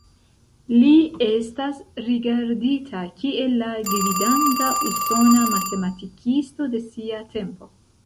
Li estas rigardita kiel la gvidanta usona matematikisto de sia tempo.